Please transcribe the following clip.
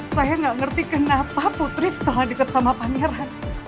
saya gak ngerti kenapa putri setelah diket sama pangeran